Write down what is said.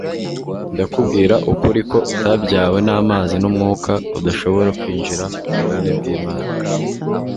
ndakubwira ukuri ko utabyawe n'amazi n'umwuka adashobora kwinjira mu bwami bw'Imana."